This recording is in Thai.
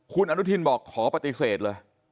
คุณอนุทินบอกขอปฏิเสธเลย